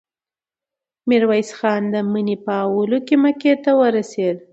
ميرويس خان د مني په اولو کې مکې ته ورسېد.